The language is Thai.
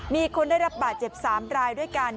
มีคนได้รับบาดเจ็บ๓รายด้วยกัน